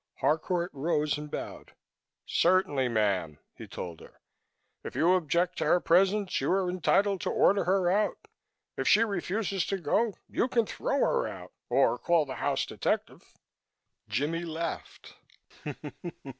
Harcourt rose and bowed. "Certainly, ma'am," he told her. "If you object to her presence you are entitled to order her out. If she refuses to go, you can throw her out or call the house detective." Jimmie laughed.